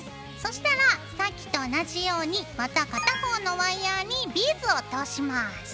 そしたらさっきと同じようにまた片方のワイヤーにビーズを通します。